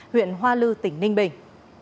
tỉnh ninh bình